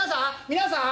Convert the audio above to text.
皆さん！